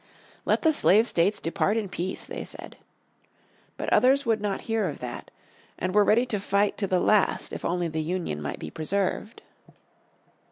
"Let the slave states depart in peace," they said. But others would not hear of that, and were ready to fight to the last if only the Union might be preserved.